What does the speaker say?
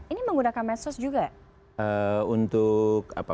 ini menggunakan medsos juga